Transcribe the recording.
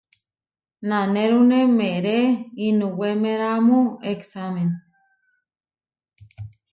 Nanérune meeré inuwémeramu eksámen.